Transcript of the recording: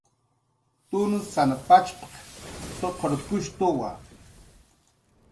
"Tunsan pachp""q suqurkushtuwa"